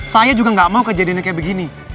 saya juga gak mau kejadiannya kayak begini